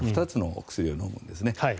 ２つのお薬を飲むんですね。